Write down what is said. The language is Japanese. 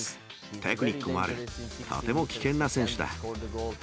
テクニックもある、とても危険な選手だ。